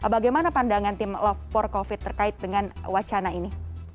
bagaimana pandangan tim love for covid terkait dengan wacana ini